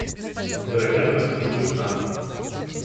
Вероятно — лишусь сна.